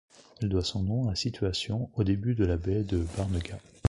Elle doit son nom à situation au début de la baie de Barnegat.